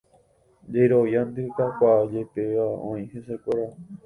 Jerovia ndekakuaajepéva oĩ hesekuéra.